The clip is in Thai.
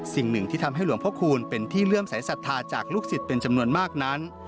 สิ่งหนึ่งที่ทำให้หลวงพระคูณเป็นที่เลื่อมสายศรัทธาจากลูกศิษย์เป็นจำนวนมากนั้น